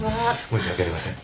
申し訳ありません。